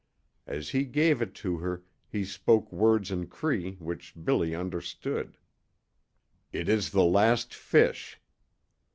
As he gave it to her he spoke words in Cree which Billy understood. "It is the last fish."